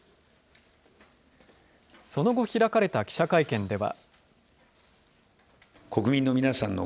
その後開かれた記者会見では。